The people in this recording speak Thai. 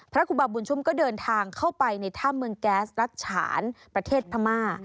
พระครูบาบุญชุมก็เดินทางเข้าไปในถ้ำเมืองแก๊สรัชฉานประเทศพม่า